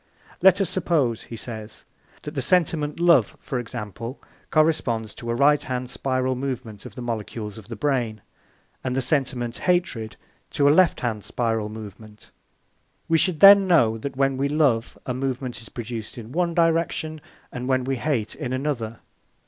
"Let us suppose," he says, "that the sentiment love, for example, corresponds to a right hand spiral movement of the molecules of the brain and the sentiment hatred to a left hand spiral movement. We should then know that when we love, a movement is produced in one direction, and when we hate, in another.